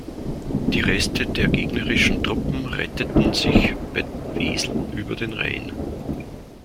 Die Reste der gegnerischen Truppen retteten sich bei Wesel über den Rhein.